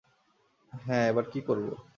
হ্যাঁ, এবার কি করব?